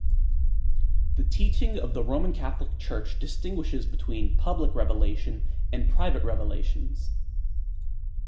The teaching of the Roman Catholic Church distinguishes between "public Revelation" and "private revelations".